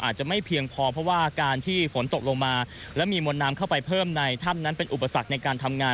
อาจจะไม่เพียงพอเพราะว่าการที่ฝนตกลงมาและมีมวลน้ำเข้าไปเพิ่มในถ้ำนั้นเป็นอุปสรรคในการทำงาน